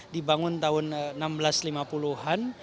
dibangun tahun seribu enam ratus lima puluh an